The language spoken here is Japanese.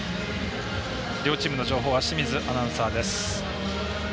両チームの情報は清水アナウンサーです。